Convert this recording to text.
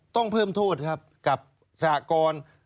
ต้องเพิ่มโทษครับกับสหกร